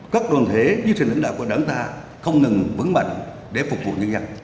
có thể giúp sự lãnh đạo của đảng ta không ngừng vững mạnh để phục vụ người dân